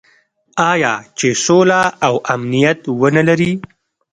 آیا چې سوله او امنیت ونلري؟